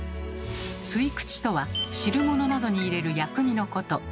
吸口とは汁物などに入れる薬味のこと。